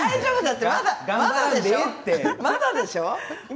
まだでしょ？